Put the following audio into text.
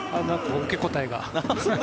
受け答えが。